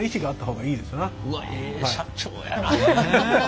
うわっええ社長やな。